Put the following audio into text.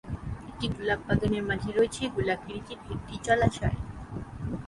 একটি গোলাপ বাগানের মাঝে রয়েছে গোলাকৃতির একটি জলাশয়।